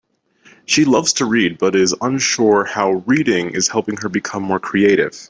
She loves to read, but is unsure how reading is helping her become more creative.